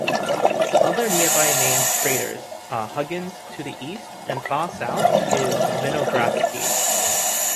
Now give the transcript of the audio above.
Other nearby named craters are Huggins to the east and far south is Vinogradsky.